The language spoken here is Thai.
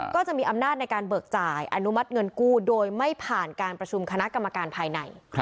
ก็จะมีอำนาจในการเบิกจ่ายอนุมัติเงินกู้โดยไม่ผ่านการประชุมคณะกรรมการภายใน